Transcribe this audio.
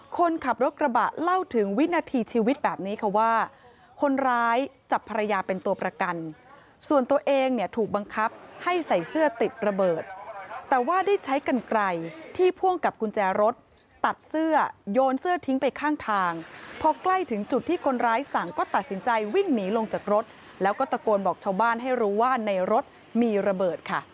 คนขับรถกระบะเล่าถึงวินาทีชีวิตแบบนี้ค่ะว่าคนร้ายจับภรรยาเป็นตัวประกันส่วนตัวเองเนี่ยถูกบังคับให้ใส่เสื้อติดระเบิดแต่ว่าได้ใช้กันไกลที่พ่วงกับกุญแจรถตัดเสื้อโยนเสื้อทิ้งไปข้างทางพอใกล้ถึงจุดที่คนร้ายสั่งก็ตัดสินใจวิ่งหนีลงจากรถแล้วก็ตะโกนบอกชาวบ้านให้รู้ว่าในรถมีระเบิดค่ะ